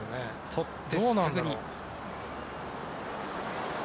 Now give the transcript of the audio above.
とってすぐに。